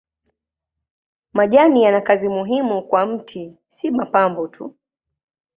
Majani yana kazi muhimu kwa mti si mapambo tu.